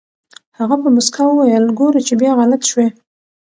هغه په موسکا وويل ګوره چې بيا غلط شوې.